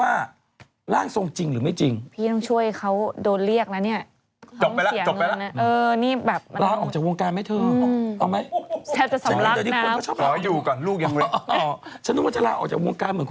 เอาเรื่องอะไรครับอืมยังไม่จบอีกเหรอ